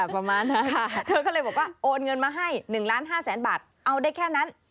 ประมาณนั้นเธอก็เลยบอกว่าโอนเงินมาให้๑ล้าน๕แสนบาทเอาได้แค่นั้น